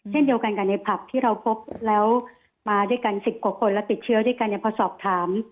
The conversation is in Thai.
เช่นเดียวกันกับในผับที่เราพบแล้วมาด้วยกัน๑๐กว่าคนแล้วติดเชื้อด้วยกันเนี่ยพอสอบถาม